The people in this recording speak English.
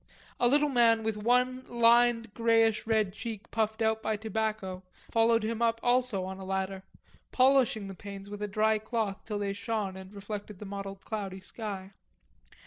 A little man with one lined greyish red cheek puffed out by tobacco followed him up also on a ladder, polishing the panes with a dry cloth till they shone and reflected the mottled cloudy sky.